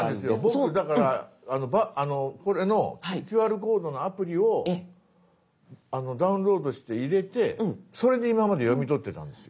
僕だからこれのＱＲコードのアプリをダウンロードして入れてそれで今まで読み取ってたんですよ。